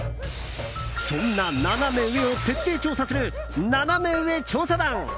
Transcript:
そんなナナメ上を徹底調査するナナメ上調査団。